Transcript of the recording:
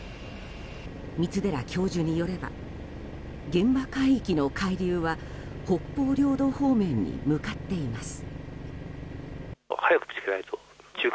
三寺教授によれば現場海域の海流は北方領土方面に向かっています。